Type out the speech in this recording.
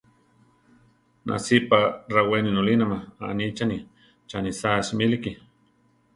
Nasípa rawéni nolínama, anicháni; chanísa simíliki.